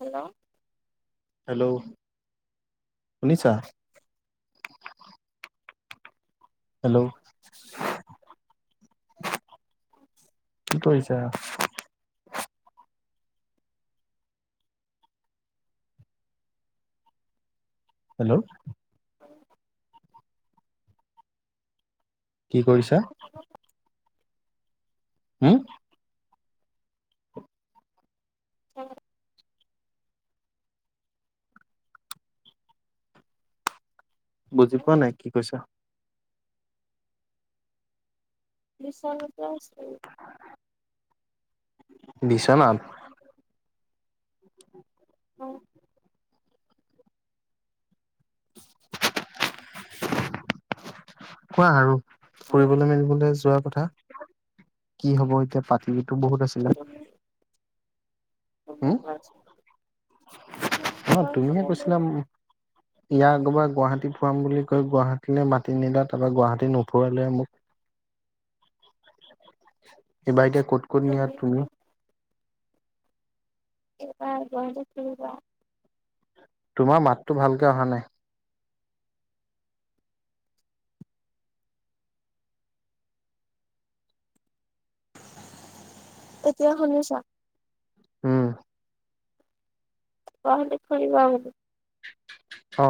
Hello hello শুনিছা? Hello, কি কৰিছা? হেল্ল' [inaudible] কি কৰিছা? [inaudible] হম? অ [unintelligible] বুজি পোৱা নাই কি কৈছা? বিচনাতে আছো। বিচনাত? [inaudible] অঁ। কোৱা আৰু, ফুৰিবলৈ মেলিবলৈ যোৱা কথা, কি হব এতিয়া পাতি টো বহুত আছিলা? তুমি উম কোৱা চুন? ন তুমিহে কৈছিলা [unintelligible] ইয়াৰ আগৰবাৰ গুৱাহাটী ফুৰাম বুলি কয়, গুৱাহাটীলৈ মাতি নিলা, তাৰপৰা গুৱাহাটী নুফৰা লাই মোক। এইবাৰ এতিয়া ক'ত, ক'ত নিয়া তুমি? এইবাৰ গুৱাহাটীত ফুৰিবা, তোমাৰ মাততো ভালকে অহা নাই। এতিয়া শুনিছা? উম গুৱাহাটীত ফুৰিব আহিবি। অ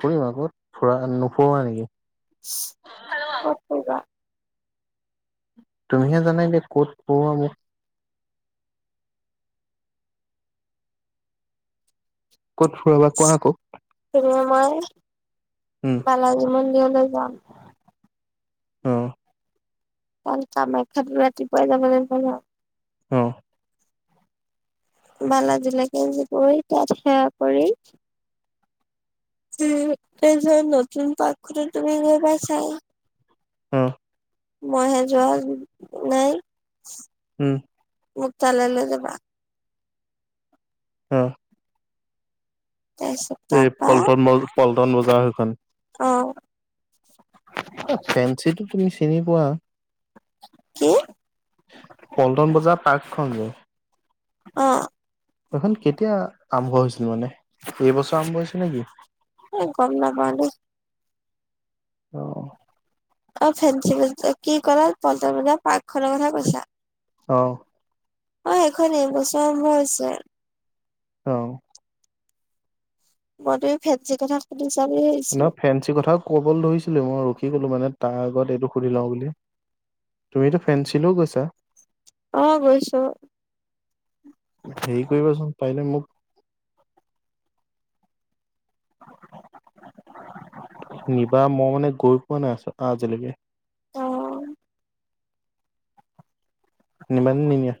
ফুৰিম আকৌ, ফুৰা নুফুৰুৱা নেকি? কত ফুৰিবা? তুমিহে জানাই এতিয়া ক'ত পঢ়োৱা মোক। ক'ত ফুৰাবা, কোৱা আকৌ এইবাৰ মই উম বালাজী মন্দিৰলৈ যাম। অঁহ। অ কামাখ্যাতো ৰাতিপুৱাই যাব লাগিবা ন। অ বালজিলেকে গৈ তাত সেৱা কৰি, উম এ যৰ নতুন পাৰ্ক খনত তুমি গৈ পাইছাই। অহ। মই হে যোৱা নাই। উম। মুক তালে লৈ যাবা। অঁহ। তাচত এই পল্টন পল্টন বজাৰ সেখন। অঁ। এই ফেঞ্চিটো তুমি চিনি পোৱা? কি? পল্টন বজাৰ পাৰ্কখন যে? অঁ। এখন কেতিয়া আৰম্ভ হৈছিল মানে, এইবছৰ আৰম্ভ হৈছে নেকি? এই গম নাপাও দেই। অঁ। অ ফেঞ্চি বজাৰ কি ক'লা, পলটনবজাৰ পাৰ্ক খনৰ কথা কৈছা? অঁ। অ এখন এবছৰ আৰম্ভ হৈছে। অঁ। মই তুমি ফেঞ্চি কথা শুধিছা বুলি ভাবিছিলো। নহয় ফেঞ্চি কথাও ক'বল ধৰিছিলোঁ মই ৰখি গ'লো মানে তাৰ আগত এইটো সুধি লওঁ বুলি। তুমিতো ফেঞ্চিলেওঁ গৈছা। অ', গৈছো। হেৰি কৰিবাচোন, পাৰিলে মোক [inaudible] নিবা মই মানে গৈ পোৱা নাই আছ আজিলৈকে। অ'। নিবা নে নিনিয়া।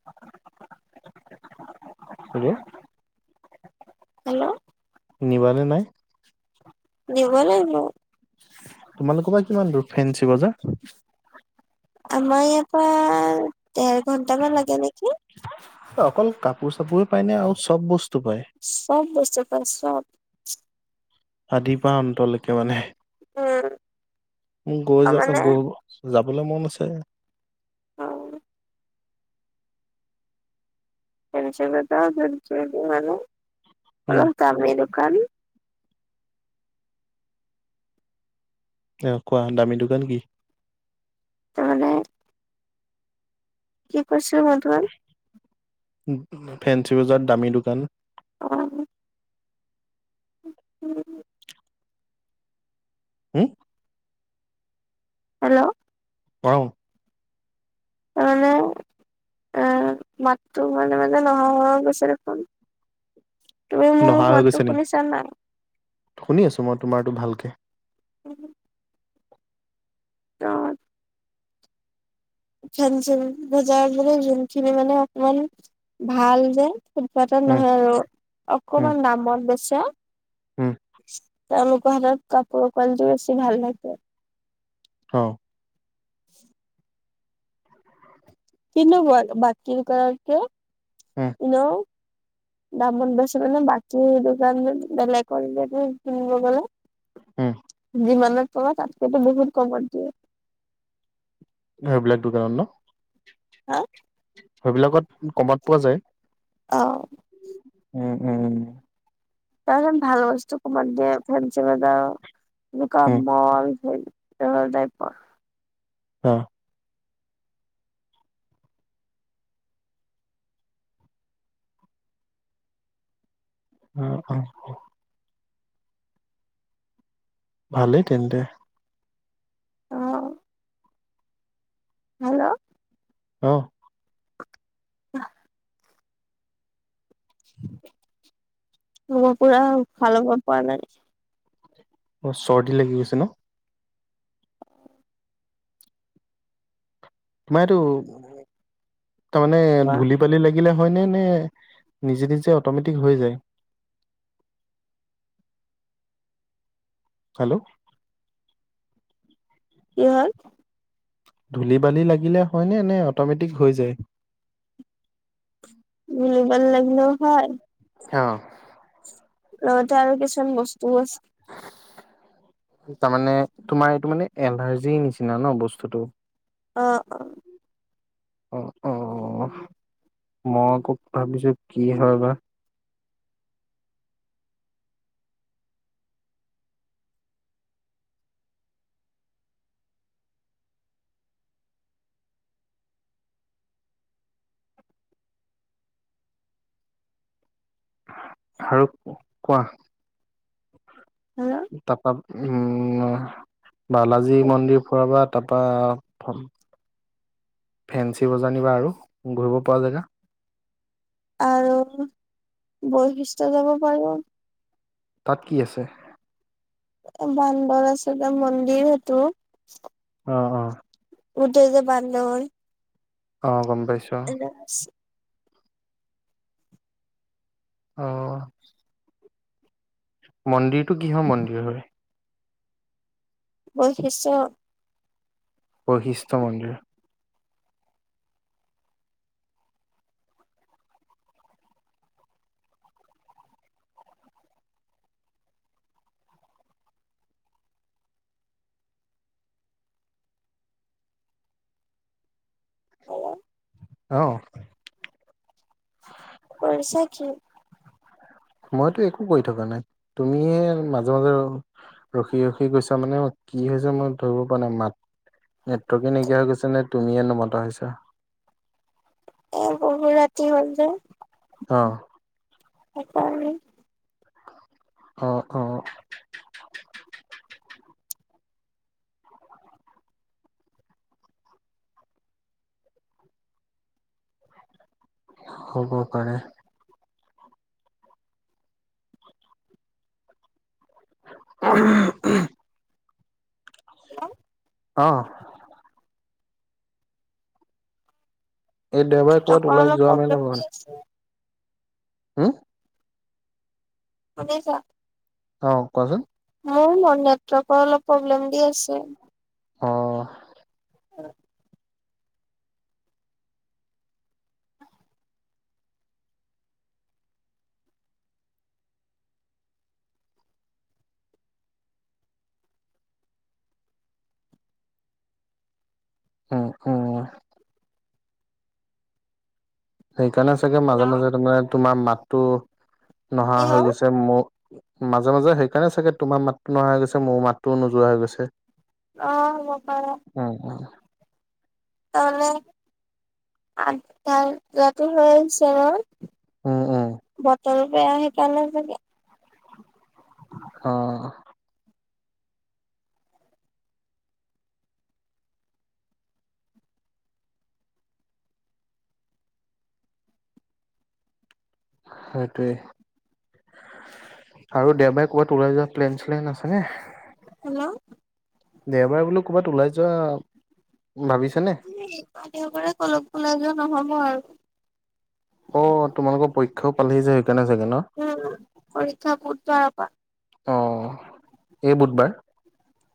[inaudible] Hello hello. নিবানে নাই। নিব লাগিব। তোমালোকৰ পৰা কিমান দূৰ ফেঞ্চি বজাৰ। আমাৰ ইয়াৰ পৰা দেৰ ঘন্টামান লাগে নেকি। অকল কাপোৰ চাপোৰে পায় নে আৰু চব বস্তু পায়। চব বস্তু পাই চব। আদিৰ পৰা অন্তলেকে মানে। উম। মোৰ গৈ অ যাব মানে গৈ যাবলে মন আছে। অ'। ফেঞ্চি বজাৰ [unintelligible] উম অলপ দামী দোকান। অ', কোৱা দামী দোকান কি। ত' মানে। কি কৈছিলোঁ মই তোমাক। ফেঞ্চি বজাৰত দামী দোকান। অ'। [inaudible] হম। হেল্ল'। অ'। [unintelligible] এ মাততো মাজে- মাজে নহা হৈ গৈছে দেখোন। তুমি মোৰ নহা হৈ মাতটো গৈছে নি, শুনিছা নাই? শুনি আছো মই তোমাৰতো ভালকে। উম [unintelligible] [unintelligible] [unintelligible] বজাৰ [unintelligible] যোনখিনি মানে অকমান ভাল যে। ফুটপাথত উম নহয় আৰু উম অকমান দামত বেচে। উম তেওঁলোকৰ হাতত কাপোৰৰ কোৱালিতি বেছি ভাল থাকে। অ'। কিন্ত বাকী দোকানতকে, উম ইণেও। [inaudible] [unintelligible] বেছি মানে বাকী দোকান বেলেগ [unintelligible] কিনিব গ'লে। উম। যিমানত পাবা তাতকেতো বহুত কমত দিয়ে। সেই বিলাক দোকানত ন। হা সেইবিলাকত কমত পোৱা যায়। অ'। উম, উম। তাৰ [unintelligible] ভাল বস্তু কমত দিয়ে ফেঞ্চি বজাৰ উম [unintelligible] [unintelligible] তাই পৰ। অ উ অ ভালেই তেন্তে। অ' হেল্ল', অঁ আহ, [unintelligible] মই পুৰা উশাহ ল'ব পৰা নাই। অ চৰ্দি লাগি গৈছে ন। তোমাৰ এইটো তাৰমানে কোৱা ধূলি বালি লাগিলে হয় নে, নে নিজে নিজে অট'মেটিক হৈ যায়। হেল্ল', কি হ'ল। ধূলি বালি লাগিলে হয়নে নে অট'মেটিক হৈ যায়। ধূলি বালি লাগিলেও হয়। অ, লগতে আৰু কিছুমান বস্তুও আছে। [unintelligible] তাৰ মানে তোমাৰ এইটো মানে এলাৰ্জি নিচিনা ন বস্তুটো। অ অ অ অ মই আকৌ ভাবিছো কি হয় বা, আৰু কোৱা হেল্ল' তাপা, উম বালাজী মন্দিৰ ফুৰাবা, তাৰপৰা ফেঞ্চি বজাৰানিবা আৰু ঘূৰিব পৰা জেগা। আৰু বৈশিষ্টয় যাব পাৰিব। তাত কি আছে। বান্দৰ আচলতে মন্দিৰ সেইটো। অ অ গোটেই যে বান্ধৰ, অ গম পাইছো এটা অ, মন্দিৰটো কিহৰ মন্দিৰ হয়। বৈশিষ্ট, বৈশিষ্ট মন্দিৰ। [unintelligible] অ, কৰিছা কি। মইতো একো কৰি থকা নাই তুমিয়ে মাজে মাজে ৰখি ৰখি গৈছা মানে, কি হৈছে মই ধৰিব পৰা নাই মাত নেটৱৰ্ক নাইকিয়া হৈ গৈছে নে তুমিয়ে নমতা হৈছা। এ বহু ৰাতি হল যে। অ, সেই কাৰণে। অ অ, অ হ'ব পাৰে উম হেল্ল', অ এই দেওবাৰে কবাত নেটৱৰ্কৰ ওলাই অলপ যোৱা নে প্ৰব্লেম দি অকমান আছে ওম শুনিছা অ কোৱাচোন মোৰ ন নেটৱৰ্কৰ অলপ প্ৰব্লেম দি আছে অ অ [unintelligible] উ উ সেইকাৰণে চাগে মাজে মাজে কি তাৰমানে তোমাৰ মাতো নহা হৈ হ'ল গৈছে মোৰ মাজে মাজে সেইকাৰণে চাগে তোমাৰ মাততো নহা হৈ গৈছে মোৰ মাতটো নোযোৱা হৈ গৈছে অ হ'ব পাৰে। উম উম তাৰমানে আন্ধাৰ, ৰাতি হৈ আহিছে উম উম ন বতৰ বেয়া সেইকাৰণে চাগে [unintelligible] অ সেইটোৱে আৰু দেওবাৰে ক'ৰবাত ওলাই যোৱা প্লেন চেলেন আছেনে? হেল্ল' দেওবাৰে বোলো ক'ৰবাত ওলাই যোৱা ভাবিছানে দেওবাৰে কলো ওলাই যোৱা নহব আৰু অ তোমালোকৰ পৰীক্ষাও পালেহি যে সেইকাৰণে চাগে ন? উম উম পৰীক্ষা বুধবাৰৰ পৰা। অ এই বুধবাৰ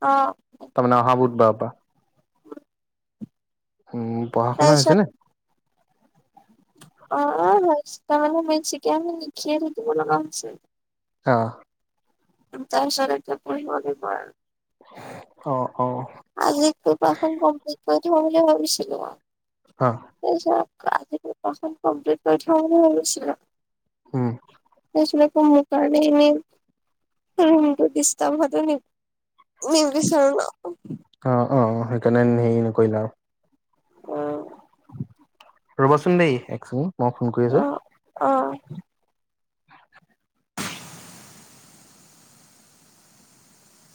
অ তাৰমানে অহা বুধবাৰৰ পৰা উম পঢ়া শুনা হৈছে তাৰপিছত [unintelligible] অ অ [unintelligible] মানে মেইন [unintelligible] আমি লিখিয়ে থাকিব লগীয়া হৈছে। অ। তাৰপিছত এতিয়া‌ পঢ়িব লাগিব আৰু অ অ। আজি পেপাৰ খন কমপ্লিট কৰি থম বুলি ভাবিছিলো আও। হা তাৰপিছত অজি পেপাৰখন কমপ্লিট কৰি থম বুলি ভাবিছিলো। উম। [unintelligible] মোৰ কাৰণেই এনেই ৰুমটো ডিষ্টাৰ্ব হোৱাটো নি নিবিচাৰো ন। অ অ সেইকাৰণে হেৰি নকৰিলা আও। উম ৰ'বাচোন দেই এক ছেকেণ্ড মই ফোন কৰি অ আছো। অ।